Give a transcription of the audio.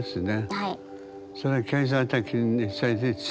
はい。